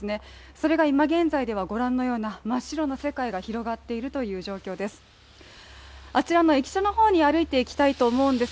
それがいま現在ではご覧のような真っ白な世界が広がっているという状況です。